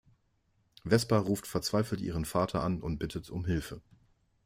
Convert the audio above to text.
Vespa ruft verzweifelt ihren Vater an und bittet um Hilfe.